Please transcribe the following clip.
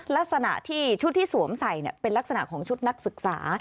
ลักษณะที่ชุดที่สวมใส่เป็นลักษณะของชุดนักศึกษา